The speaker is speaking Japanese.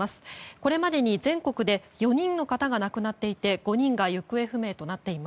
これまでに全国で４人の方が亡くなっていて５人が行方不明です。